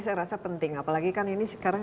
saya rasa penting apalagi kan ini sekarang